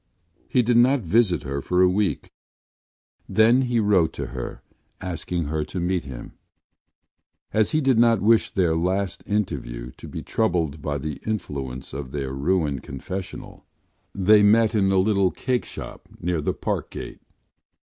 He did not visit her for a week, then he wrote to her asking her to meet him. As he did not wish their last interview to be troubled by the influence of their ruined confessional they met in a little cakeshop near the Parkgate.